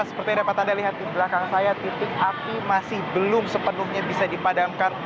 seperti yang dapat anda lihat di belakang saya titik api masih belum sepenuhnya bisa dipadamkan